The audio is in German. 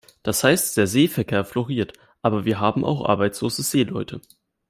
Das heißt, der Seeverkehr floriert, aber wir haben auch arbeitslose Seeleute.